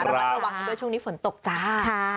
ระวังด้วยช่วงนี้ฝนตกจ้า